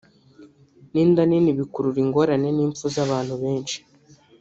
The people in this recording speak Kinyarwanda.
n’inda nini bikurura ingorane n’inpfu z’abantu benshi